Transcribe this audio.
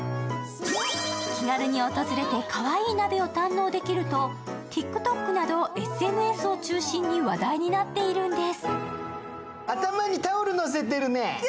気軽に訪れてかわいい鍋を堪能できるとＴｉｋＴｏｋなどＳＮＳを中心に話題になっているんです。